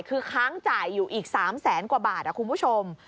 คือค้างจ่ายอยู่อีก๓แสนกว่าบาทคุณผู้ชม